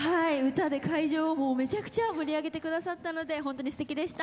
歌で会場をめちゃくちゃ盛り上げてくださったので本当にすてきでした。